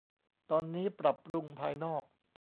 ตอนนี้ปรับปรุงภายนอก